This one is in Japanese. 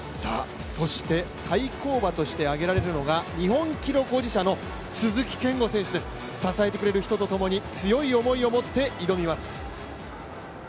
そして、対抗馬として挙げられるのが日本記録保持者の鈴木健吾選手です、支えてくれる人とともに強い思いを持って挑みます。